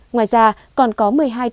ngoài ra còn có một mươi hai tổng thống